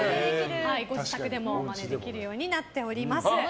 ご自宅でもマネできるようになっております。